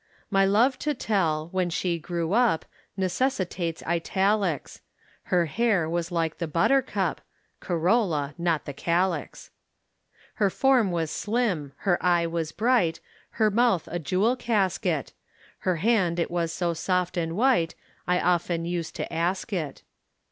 My love to tell, when she grew up, Necessitates italics. Her hair was like the buttercup (Corolla not the calyx). Her form was slim, her eye was bright, Her mouth a jewel casket, Her hand it was so soft and white I often used to ask it.